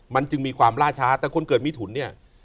มันจึงมีความล่าช้าแต่คนเกิดมิถุนเนี่ย